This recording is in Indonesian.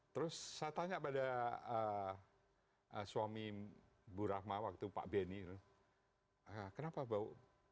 terus saya tanya pada suami bu rahma waktu pak benir kenapa bau